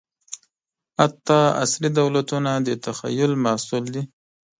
حتی عصري دولتونه د تخیل محصول دي.